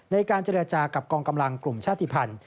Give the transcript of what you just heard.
ในการเจรจากับกองกำลังกลุ่มชาติภัณฑ์